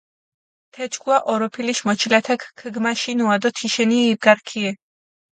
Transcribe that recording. თეჯგუა ჸოროფილიშ მოჩილათაქ ქჷგმაშინუა დო თიშენიე იბგარქიე.